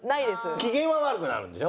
機嫌は悪くなるんでしょ？